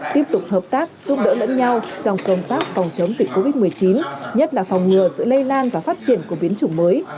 tiếp tục hợp tác giúp đỡ lẫn nhau trong công tác phòng chống dịch covid một mươi chín nhất là phòng ngừa sự lây lan và phát triển của biến chủng mới